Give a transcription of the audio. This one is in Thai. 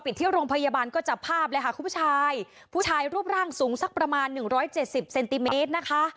ที่โรงพยาบาลก็จับภาพเลยค่ะคุณผู้ชายผู้ชายรูปร่างสูงสักประมาณหนึ่งร้อยเจ็ดสิบเซนติเมตรนะคะ